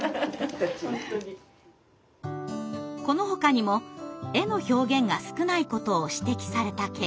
このほかにも絵の表現が少ないことを指摘されたケイくん。